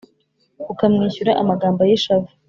ukamwishyura amagambo y’ishavu,